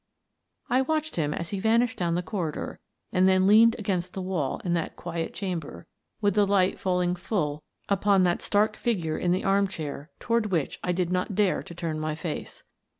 I watched him as he vanished down the corri dor and then leaned against the wall in that quiet chamber, with the light falling full upon that stark figure in the armchair toward which I did not dare to turn my face.